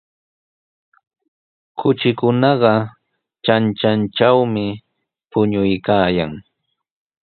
Kuchikunaqa kanchantrawmi puñuykaayan.